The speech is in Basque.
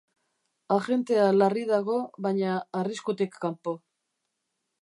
Agentea larri dago baina arriskutik kanpo.